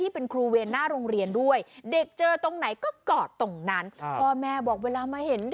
เพราะครูบอกว่า